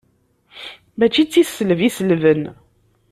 Mačči d tiselbi i selben.